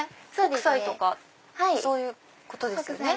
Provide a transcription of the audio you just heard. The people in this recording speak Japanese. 北斎とかそういうことですよね。